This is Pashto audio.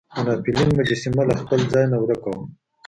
د ناپلیون مجسمه له خپل ځای نه ورک وه.